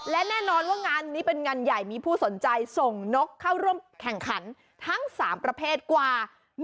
และแน่นอนว่างานนี้เป็นงานใหญ่มีผู้สนใจส่งนกเข้าร่วมแข่งขันทั้ง๓ประเภทกว่า